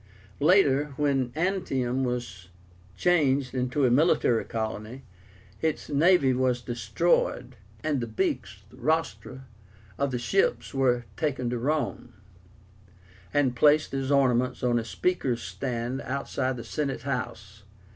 Later, when Antium was changed into a military colony, its navy was destroyed, and the beaks (rostra) of its ships were taken to Rome, and placed as ornaments on the speaker's stand opposite the Senate House.